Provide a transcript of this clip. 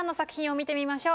見てみましょう。